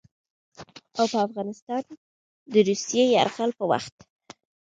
او په افغانستان د روسي يرغل په وخت